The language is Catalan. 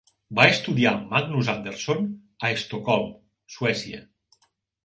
Va estudiar amb Magnus Andersson a Estocolm, Suècia.